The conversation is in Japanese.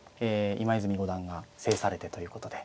今泉五段が制されてということで。